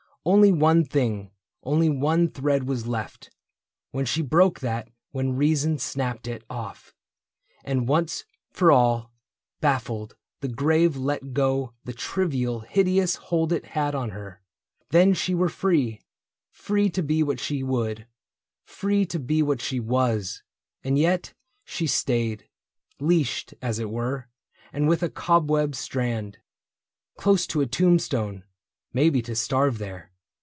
Only one thing, only one thread was left ; When she broke that, when reason snapped it off, And once for all, baffled, the grave let go The trivial hideous hold it had on her, — Then she were free, free to be what she would, Free to be what she was. — And yet she stayed. Leashed, as it were, and with a cobweb strand. Close to a tombstone — maybe to starve there.